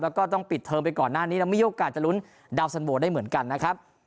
แล้วก็ต้องปิดเทอมไปก่อนหน้านี้แล้วมีโอกาสจะลุ้นดาวสันโวได้เหมือนกันนะครับ